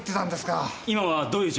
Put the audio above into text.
今はどういう状況ですか？